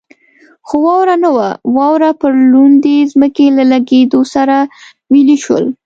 خو واوره نه وه، واوره پر لوندې ځمکې له لګېدو سره ویلې شول.